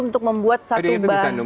untuk membuat satu bar